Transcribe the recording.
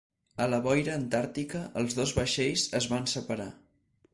A la boira antàrtica, els dos vaixells es van separar.